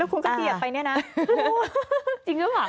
แล้วคุณก็เกียรติไปเนี่ยนะ